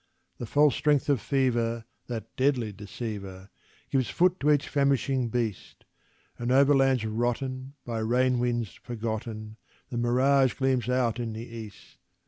The false strength of fever, that deadly deceiver, Gives foot to each famishing beast; And over lands rotten, by rain winds forgotten, The mirage gleams out in the east.